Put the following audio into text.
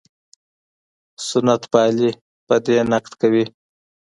سنت پالي په دې نقد کوي.